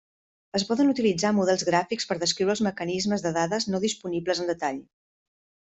Es poden utilitzar models gràfics per descriure els mecanismes de dades no disponibles en detall.